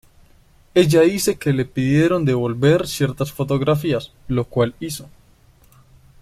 Ella dice que le pidieron devolver ciertas fotografías, lo cual hizo.